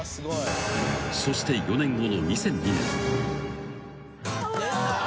［そして４年後の２００２年］